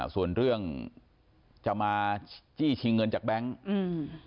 ส่วนเรื่องจะมาจี้ชิงเงินจากแบงค์อืม